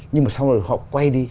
nhưng mà sau đó họ quay đi